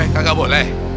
kenapa kaga boleh